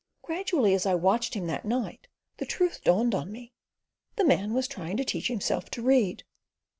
Gradually, as I watched him that night, the truth dawned on me: the man was trying to teach himself to read.